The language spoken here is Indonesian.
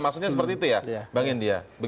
maksudnya seperti itu ya bang india